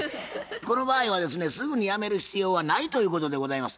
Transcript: この場合はですねすぐにやめる必要はないということでございます。